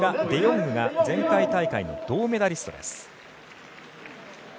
デヨングが前回大会の銅メダリストです。